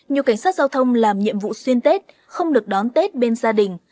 nhiều cảnh sát giao thông làm nhiệm vụ xuyên tết không được đón tết bên gia đình